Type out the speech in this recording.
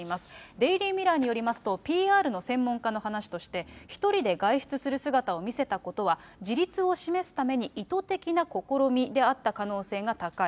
デイリー・ミラーによりますと、ＰＲの専門家の話として、１人で外出する姿を見せたことは、自立を示すために意図的な試みであった可能性が高い。